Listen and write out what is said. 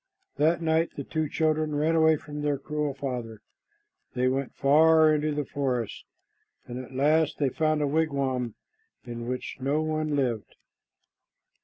That night the two children ran away from their cruel father. They went far into the forest, and at last they found a wigwam in which no one lived.